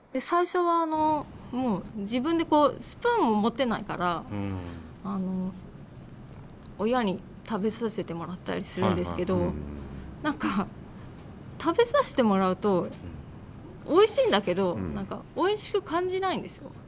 最初はもう自分でこうスプーンも持てないからあの親に食べさせてもらったりするんですけど何か食べさせてもらうとおいしいんだけどおいしく感じないんですよ。